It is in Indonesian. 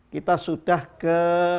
kita sudah ke